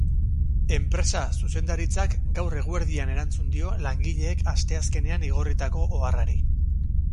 Enpresa zuzendaritzak gaur eguerdian erantzun dio langileek asteazkenean igorritako oharrari.